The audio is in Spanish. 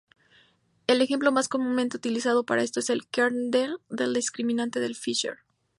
El ejemplo más comúnmente utilizado para esto es el kernel del discriminante de Fisher.